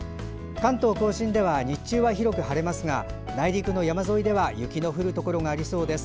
関東・甲信では日中は広く晴れますが内陸の山沿いでは雪の降るところがありそうです。